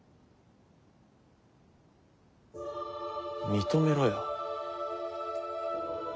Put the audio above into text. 認めろよ。